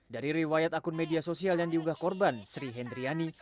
dari riwayat akun media sosial yang diunggah korban sri hendriani